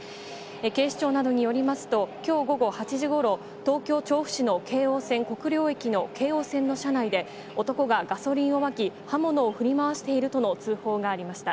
警視庁などによりますと、きょう午後８時ごろ、東京・調布市の京王線国領駅の京王線の車内で、男がガソリンをまき、刃物を振り回しているとの通報がありました。